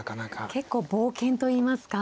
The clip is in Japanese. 結構冒険といいますか。